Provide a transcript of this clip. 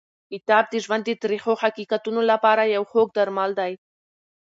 کتاب د ژوند د تریخو حقیقتونو لپاره یو خوږ درمل دی.